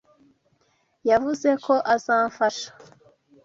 Yavuze ko azamfasha.